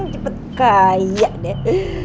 cepet kaya deh